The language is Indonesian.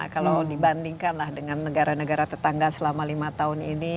kalau dibandingkan lah dengan negara negara tetangga selama lima tahun ini